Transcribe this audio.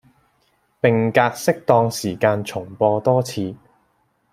並隔適當時間重播多次